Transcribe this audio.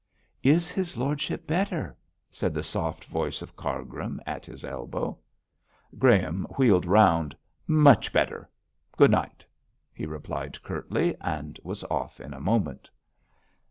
'Is his lordship better?' said the soft voice of Cargrim at his elbow. Graham wheeled round. 'Much better; good night,' he replied curtly, and was off in a moment.